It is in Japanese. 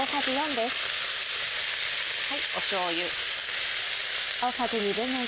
しょうゆ。